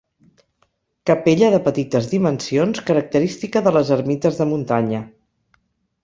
Capella de petites dimensions, característica de les ermites de muntanya.